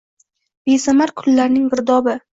Besamar kunlarning girdobi.